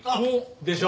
でしょ？